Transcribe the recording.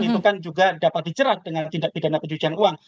itu kan juga dapat dijerat dengan tindak pidana pencucian uang